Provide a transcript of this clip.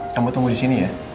kamu tunggu disini ya